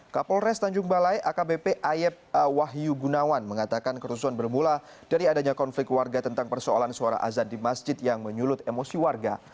kapolres tanjung balai akbp ayep wahyu gunawan mengatakan kerusuhan bermula dari adanya konflik warga tentang persoalan suara azan di masjid yang menyulut emosi warga